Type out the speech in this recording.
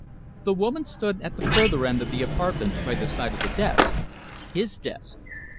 The woman stood at the further end of the apartment by the side of the desk his desk.